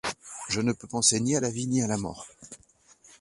Je ne peux penser ni à la vie ni à la mort.